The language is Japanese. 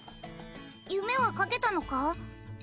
夢は書けたのか？